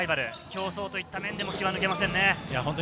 競争といった面でも気が抜けませんね。